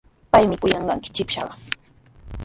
Paymi kuyanqayki shipashqa.